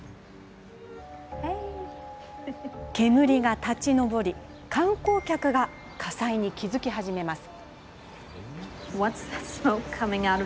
煙が立ち上り観光客が火災に気付き始めます。